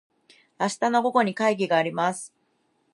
明日の午後に会議があります。